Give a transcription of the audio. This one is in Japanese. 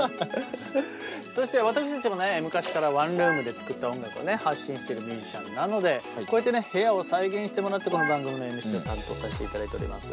そして私たちもね昔からワンルームで作った音楽をね発信してるミュージシャンなのでこうやって部屋を再現してもらってこの番組のＭＣを担当させていただいております。